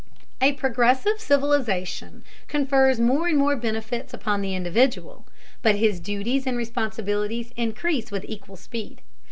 A progressive civilization confers more and more benefits upon the individual, but his duties and responsibilities increase with equal speed.